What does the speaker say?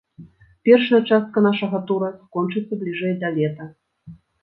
Першая частка нашага тура скончыцца бліжэй да лета.